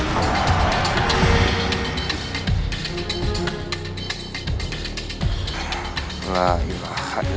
kenapa dengan anjani